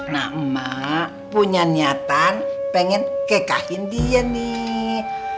nah emak punya niatan pengen kekahin dia nih